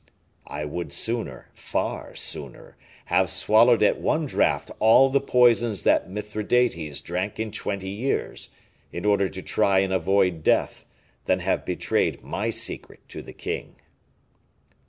"I would sooner, far sooner, have swallowed at one draught all the poisons that Mithridates drank in twenty years, in order to try and avoid death, than have betrayed my secret to the king."